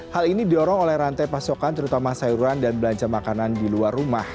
hal ini didorong oleh rantai pasokan terutama sayuran dan belanja makanan di luar rumah